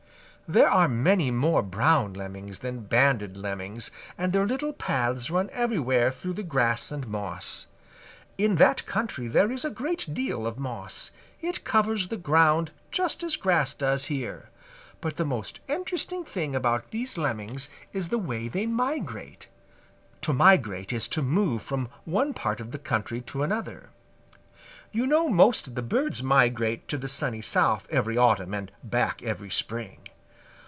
"There are many more Brown Lemmings than Banded Lemmings, and their little paths run everywhere through the grass and moss. In that country there is a great deal of moss. It covers the ground just as grass does here. But the most interesting thing about these Lemmings is the way they migrate. To migrate is to move from one part of the country to another. You know most of the birds migrate to the Sunny South every autumn and back every spring.